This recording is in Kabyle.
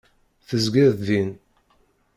Tezgiḍ din.